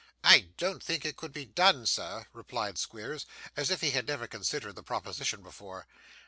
'I don't think it could be done, sir,' replied Squeers, as if he had never considered the proposition before.